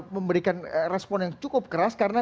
memberikan respon yang cukup keras karena